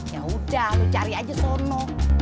yaudah lu cari aja sono